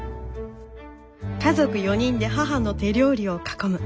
家族４人で母の手料理を囲む。